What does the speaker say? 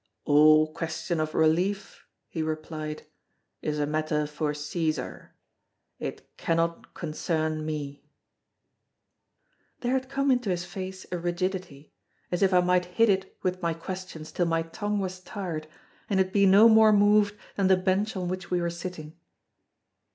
"All question of relief," he replied, "is a matter for Caesar; it cannot concern me." There had come into his face a rigidity—as if I might hit it with my questions till my tongue was tired, and it be no more moved than the bench on which we were sitting.